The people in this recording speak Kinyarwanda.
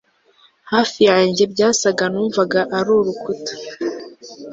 Hafi yanjye byasaga Numvaga ari urukuta